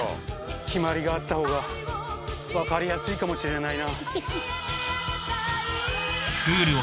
決まりがあった方が分かりやすいかもしれないな。